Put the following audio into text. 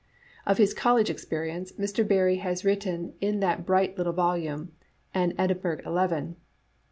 Of his college experience, Mr. Bar rie has written in that bright little volume, " An Ed inburgh Eleven."